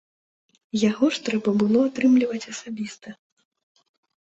Яго ж трэба было атрымліваць асабіста.